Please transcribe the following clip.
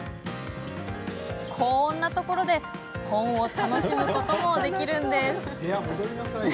こんな場所で本を楽しむこともできるんです。